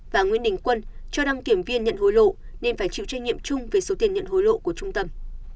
và nguyễn đình quân cho đăng kiểm viên nhận hối lộ nên phải chịu trách nhiệm chung về số tiền nhận hối lộ của trung tâm